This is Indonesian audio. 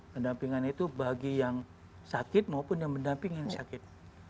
pendampingan itu bagi yang sakit maupun yang mendamping yang sakit